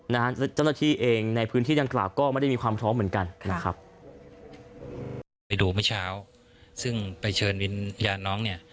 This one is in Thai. และเจ้าหน้าที่เองในพื้นที่ยังกราบก็ไม่ได้มีความพร้อมเหมือนกัน